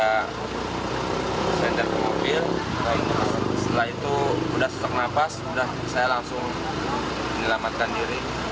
saya terpengopil setelah itu sudah sesak nafas saya langsung menyelamatkan diri